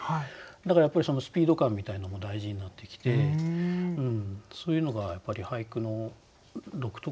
だからやっぱりスピード感みたいのも大事になってきてそういうのがやっぱり俳句の独特のところでしょうね。